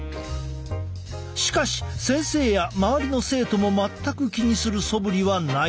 しかし先生や周りの生徒も全く気にするそぶりはない。